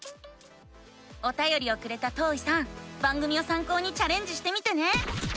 おたよりをくれたとういさん番組をさん考にチャレンジしてみてね！